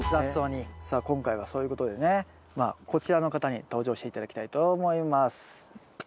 さあ今回はそういうことでねこちらの方に登場して頂きたいと思います。